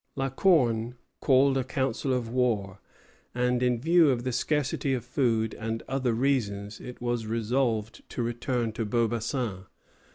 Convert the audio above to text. La Corne called a council of war, and in view of the scarcity of food and other reasons it was resolved to return to Beaubassin.